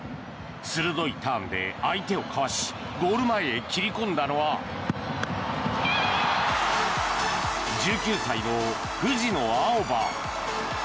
鋭いターンで相手をかわしゴール前へ切り込んだのは１９歳の藤野あおば。